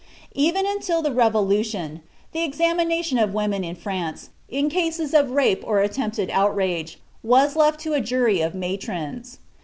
Even until the Revolution, the examination of women in France in cases of rape or attempted outrage was left to a jury of matrons.